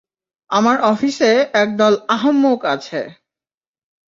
আমার অফিসে একদল আহম্মক আছে।